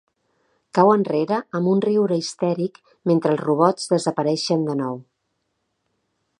Cau enrere amb un riure histèric mentre els robots desapareixen de nou.